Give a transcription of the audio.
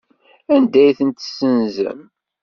Anda ay tent-tessenzem?